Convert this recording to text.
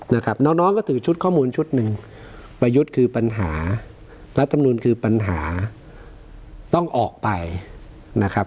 นะครับน้องน้องก็ถือชุดข้อมูลชุดหนึ่งประยุทธ์คือปัญหารัฐมนุนคือปัญหาต้องออกไปนะครับ